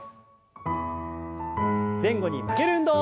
前後に曲げる運動。